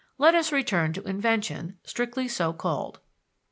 Let us return to invention, strictly so called.